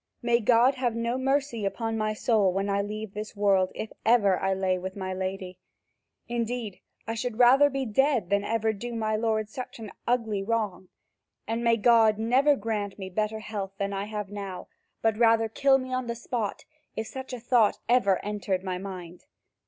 May God have no mercy upon my soul when I leave this world, if I ever lay with my lady! Indeed, I should rather be dead than ever do my lord such an ugly wrong, and may God never grant me better health than I have now but rather kill me on the spot, if such a thought ever entered my mind!